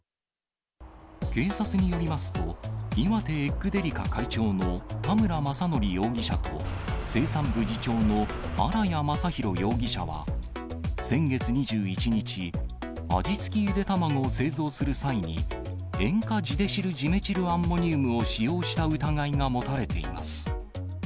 警察によりますと、岩手エッグデリカ会長の田村昌則容疑者と生産部次長の荒屋正弘容疑者は、先月２１日、味付きゆで卵を製造する際に、塩化ジデシルジメチルアンモニウムを使用した疑いが持たれています。